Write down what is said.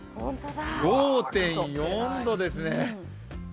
５．４度ですね。